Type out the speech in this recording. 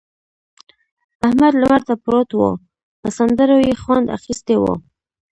احمد لمر ته پروت وو؛ پر سندرو يې خوند اخيستی وو.